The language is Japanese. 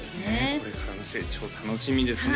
これからの成長楽しみですね